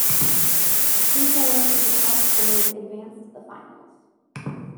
The three players with the top scores advance to the finals.